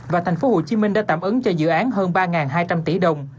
và thành phố hồ chí minh đã tạm ứng cho dự án hơn ba hai trăm linh tỷ đồng